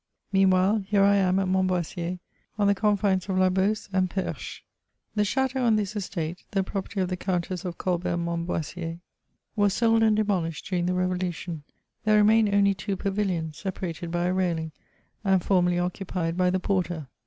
Meanwhile, here I am at Montboissier, on the confines of La Beauce and Perche. The chateau on this estate, the pro perty of the Countess of Colbert Montboissier — ^was sold and demolished during the Revolution ; there remain only two paviHons, separated by a railing, and formerly occupied by the porter.